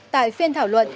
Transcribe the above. tại phiên thảo luận